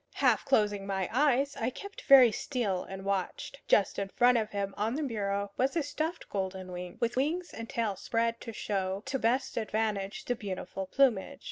Half closing my eyes, I kept very still and watched. Just in front of him, on the bureau, was a stuffed golden wing, with wings and tail spread to show to best advantage the beautiful plumage.